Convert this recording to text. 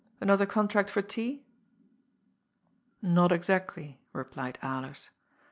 Another contract for tea ?"" Not exactly," replied Alers.